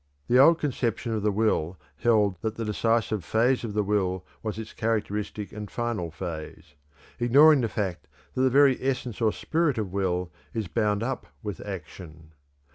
The old conception of the will held that the decisive phase of the will was its characteristic and final phase, ignoring the fact that the very essence or spirit of will is bound up with action.